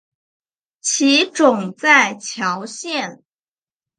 其冢在谯县。